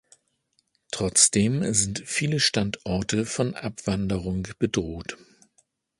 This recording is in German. Trotzdem sind viele Standorte von Abwanderung bedroht.